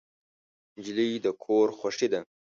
نجلۍ د کور خوښي ده.